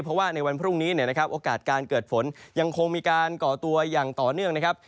เพราะว่าในวันพรุ่งนี้เนี่ยนะครับโอกาสการเกิดฝนยังคงมีการก่อตัวอย่างต่อเนื่องนะครับ